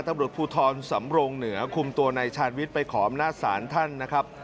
ตำรวจภูทรสำรงเหนือคุมตัวนายชาญวิทย์ไปขออำนาจศาลท่านนะครับ